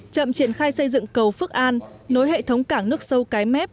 chậm triển khai xây dựng cầu phước an nối hệ thống cảng nước sâu cái mép